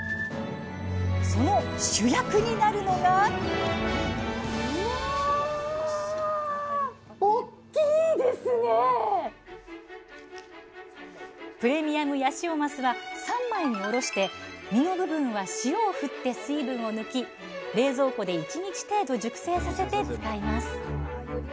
その主役になるのがプレミアムヤシオマスは３枚におろして身の部分は塩を振って水分を抜き冷蔵庫で１日程度熟成させて使います。